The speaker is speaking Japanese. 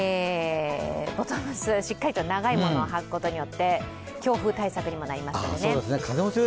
ボトムス、しっかりと長いものをはくことによって強風対策にもなりますよね。